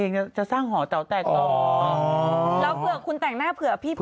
ปะหนังมารับบอกมันไม่มี